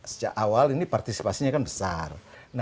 sejak awal ini partisipasinya kan besar